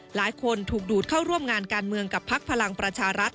หลายคนถูกดูดเข้าร่วมงานการเมืองกับพักพลังประชารัฐ